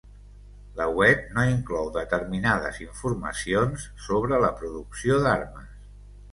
La web no inclou determinades informacions sobre la producció d'armes.